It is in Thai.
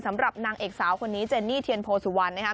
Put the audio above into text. สำหรับนางเอกสาวคนนี้เจนนี่เทียนโพสุวรรณนะครับ